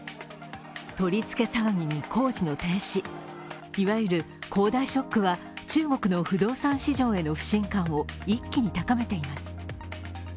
取り付け騒ぎに工事の停止いわゆる恒大ショックは中国の不動産市場への不信感を一気に高めています。